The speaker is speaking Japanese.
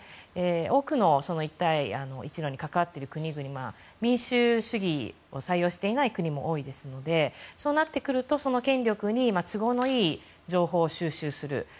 多くの一帯一路に関わっている国々民主主義を採用していない国も多いですのでそうなってくるとその権力に都合のいい情報を収集する。